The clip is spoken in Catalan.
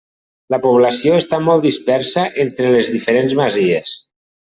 La població està molt dispersa entre les diferents masies.